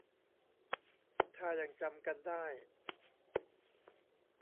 ถ้ายังจำกันได้